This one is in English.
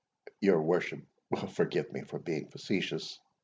—Your worship will forgive me for being facetious.